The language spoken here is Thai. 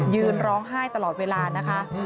ยืนร้องไห้ตลอดเวลานะคะ